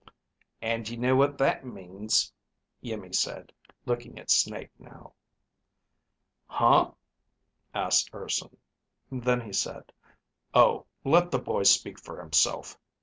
"And you know what that means," Iimmi said, looking at Snake now. "Huh?" asked Urson. Then he said, "Oh, let the boy speak for himself.